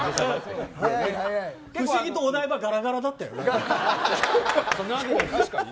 不思議とお台場ガラガラだったよね。